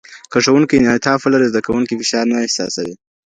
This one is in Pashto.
که ښوونکی انعطاف ولري، زده کوونکي فشار نه احساسوي.